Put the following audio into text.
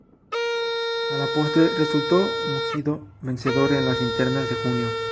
A la postre, resultó ungido vencedor en las internas de junio.